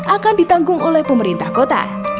akan ditanggung oleh pemerintah kota